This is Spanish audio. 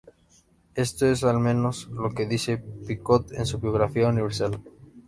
Esto es al menos lo que dice Picot en su "Biografía universal".